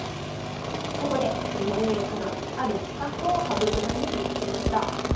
そこで井上九段ある秘策を羽生九段にぶつけました。